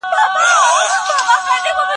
اېرې خاوري نه دوړېږي